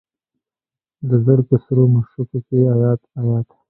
د زرکو سرو مشوکو کې ایات، ایات